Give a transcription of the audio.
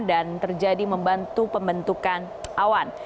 dan terjadi membantu pembentukan awan